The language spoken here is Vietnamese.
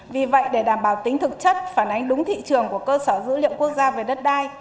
vì vậy để đảm bảo tính thực chất phản ánh đúng thị trường của cơ sở dữ liệu quốc gia về đất đai